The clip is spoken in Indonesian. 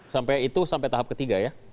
sampai itu sampai tahap ketiga ya